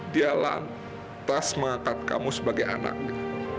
dia lantas mengangkat kamu sebagai anaknya